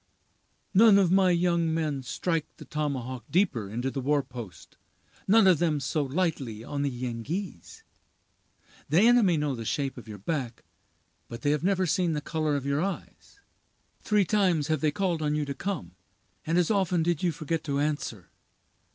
None of my young men strike the tomahawk deeper into the war post—none of them so lightly on the Yengeese. The enemy know the shape of your back, but they have never seen the color of your eyes. Three times have they called on you to come, and as often did you forget to answer.